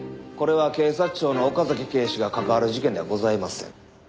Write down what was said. これは警察庁の岡崎警視が関わる事件ではございません。